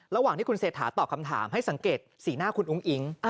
ระหว่างที่คุณเศรษฐาตอบคำถามให้สังเกตสีหน้าคุณอุ้งอิง